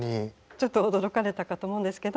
ちょっと驚かれたかと思うんですけど。